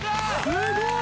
すごい！